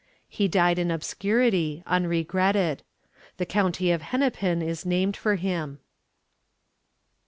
He died in obscurity, unregretted. The county of Hennepin is named for him.